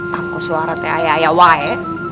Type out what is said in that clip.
tangkos warah teh ayaya wae